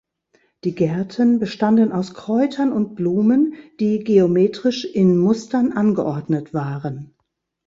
Die Gärten bestanden aus Kräutern und Blumen, die geometrisch in Mustern angeordnet waren.